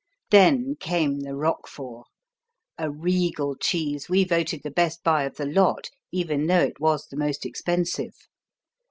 Then came the Roquefort, a regal cheese we voted the best buy of the lot, even though it was the most expensive.